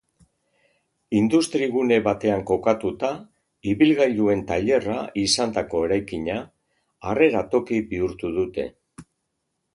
Industrigune batean kokatuta, ibilgailuen tailerra izandako eraikina, harrera toki bihurtu dute.